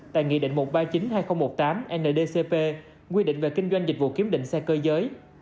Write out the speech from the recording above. tại nghị định một trăm ba mươi chín hai nghìn một mươi tám ndcp quy định về kinh doanh dịch vụ kiếm định xe cơ giới